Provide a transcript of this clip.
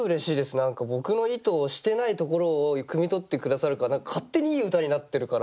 何か僕の意図してないところをくみ取って下さるから勝手にいい歌になってるから。